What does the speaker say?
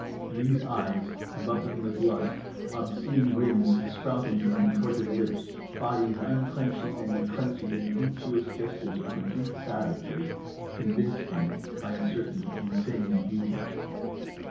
These eyes bubbling with lust, obscene grins sprouting from contorted lips, bodies unclenching and clenching in unctuous gestures of complete savagery, convinced me by a certain insane beauty.